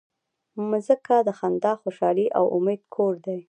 مځکه د خندا، خوشحالۍ او امید کور دی.